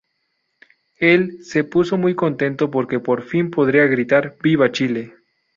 Él se puso muy contento porque por fin podría gritar "Viva Chile".